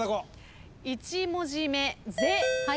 １文字目。